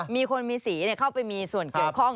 มีคนมีสีเข้าไปมีส่วนเกี่ยวข้อง